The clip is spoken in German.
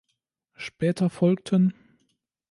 Später folgten